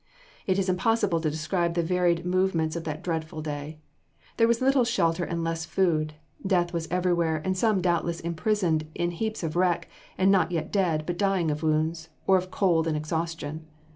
It is impossible to describe the varied movements of that dreadful day. There was little shelter and less food, death everywhere, and some doubtless imprisoned in heaps of wreck, and not yet dead, but dying of wounds, or of cold and exhaustion.